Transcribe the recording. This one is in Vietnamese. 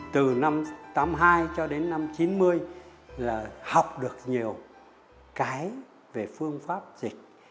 từ năm tám mươi hai cho đến năm chín mươi là học được nhiều cái về phương pháp dịch